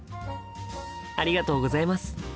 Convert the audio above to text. ありがとうございます。